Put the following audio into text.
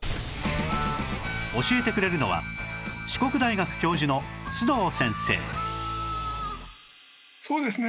教えてくれるのはそうですね。